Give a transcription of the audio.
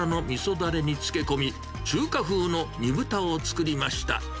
だれに漬け込み、中華風の煮豚を作りました。